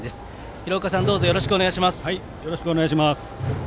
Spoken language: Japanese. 廣岡さん、どうぞよろしくお願いいたします。